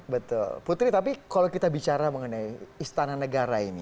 betul putri tapi kalau kita bicara mengenai istana negara ini